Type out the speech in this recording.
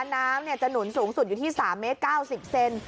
น้ำจะหนุนสูงสุดอยู่ที่๓เมตร๙๐เซน